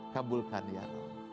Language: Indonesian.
kabulkan ya roh